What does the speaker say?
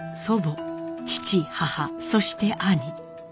祖母父母そして兄。